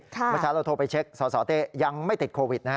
เมื่อเช้าเราโทรไปเช็คสสเต้ยังไม่ติดโควิด